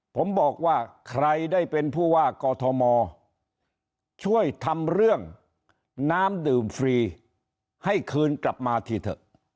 ผมบอกว่าใครได้เป็นผู้ว่ากอทมช่วยทำเรื่องน้ำดื่มฟรีให้คืนกลับมาทีเถอะ